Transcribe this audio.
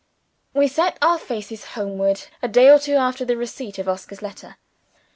We set our faces homeward a day or two after the receipt of Oscar's letter.